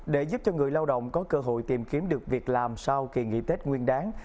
để giúp cho người lao động có cơ hội tìm kiếm được việc làm sau kỳ nghỉ tết nguyên đáng